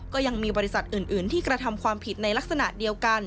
ก็ยังมีบริษัทอื่นที่กระทำความผิดในลักษณะเดียวกัน